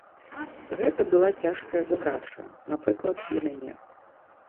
Гэта была цяжкая задача, напрыклад, для мяне.